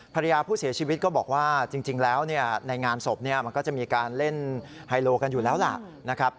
ภรรยาผู้เสียชีวิตก็บอกว่าจริงแล้วในงานศพมันก็จะมีการเล่นไฮโลกันอยู่แล้วล่ะนะครับ